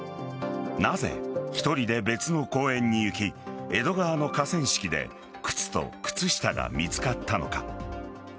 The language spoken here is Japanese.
なぜ、１人で別の公園に行き江戸川の河川敷で靴と靴下が見つかったのか。